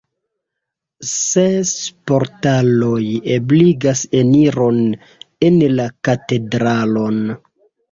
Ses portaloj ebligas eniron en la katedralon.